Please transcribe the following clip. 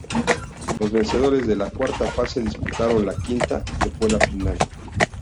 Los vencedores de la Cuarta fase disputaron la Quinta, que fue la final.